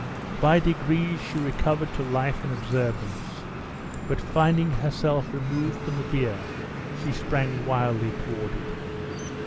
By degrees she recovered to life and observance; but finding herself removed from the bier, she sprang wildly toward it.